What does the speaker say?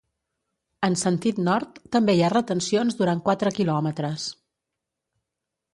En sentit nord també hi ha retencions durant quatre kilòmetres.